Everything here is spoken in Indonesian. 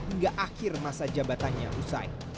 hingga akhir masa jabatannya usai